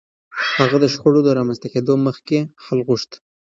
هغه د شخړو د رامنځته کېدو مخکې حل غوښت.